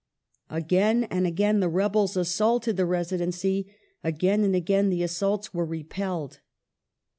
Again and again the rebels assaulted the Residency ; again and again the assaults were repelled.